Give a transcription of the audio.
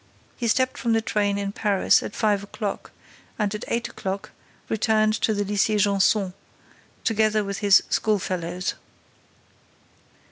He stepped from the train in Paris at five o'clock and, at eight o'clock, returned to the Lycée Janson together with his schoolfellows.